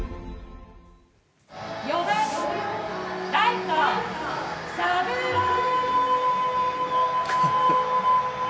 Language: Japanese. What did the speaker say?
４番ライト、サブロー。